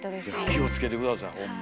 気を付けて下さいほんま。